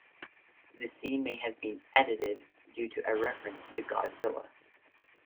This scene may have been edited due to a reference to Godzilla.